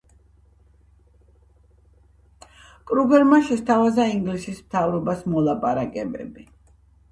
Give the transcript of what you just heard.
კრუგერმა შესთავაზა ინგლისის მთავრობას მოლაპარაკებები.